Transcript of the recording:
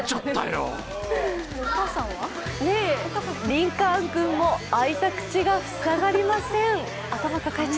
リンカーン君も開いた口が塞がりません。